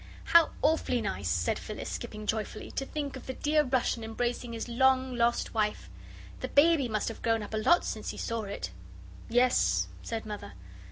"How awfully nice," said Phyllis, skipping joyfully, "to think of the dear Russian embracing his long lost wife. The baby must have grown a lot since he saw it." "Yes," said Mother.